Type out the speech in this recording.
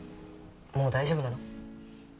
もう大丈夫なの？